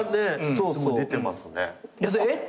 「えっ？」